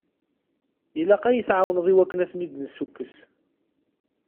Ilaq ad yi-tɛawneḍ i wakken ad ten-id-nessukkes.